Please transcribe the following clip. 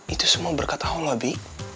itu semua berkat allah bi